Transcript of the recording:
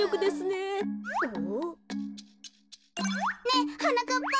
ねえはなかっぱ！